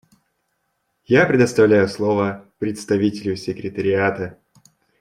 Я предоставляю слово представителю Секретариата.